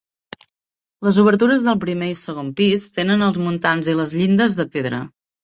Les obertures del primer i segon pis tenen els muntants i les llindes de pedra.